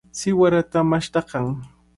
Siwarata mashtanaq.